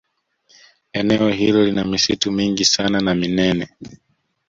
Eneo hilo lina misitu mingi sana na minene